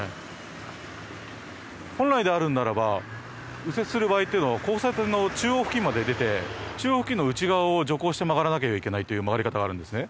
本来であるならば右折する場合っていうのは交差点の中央付近まで出て中央付近の内側を徐行して曲がらなければいけないという曲がり方があるんですね。